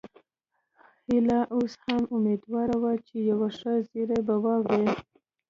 هيله اوس هم اميدواره وه چې یو ښه زیری به واوري